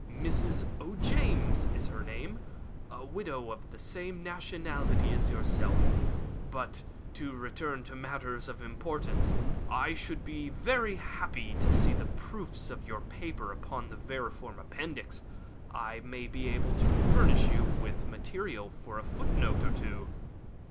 "Mrs. O'James is her name a widow of the same nationality as yourself. But to return to matters of importance, I should be very happy to see the proofs of your paper upon the vermiform appendix. I may be able to furnish you with material for a footnote or two."